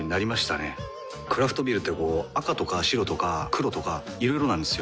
クラフトビールってこう赤とか白とか黒とかいろいろなんですよ。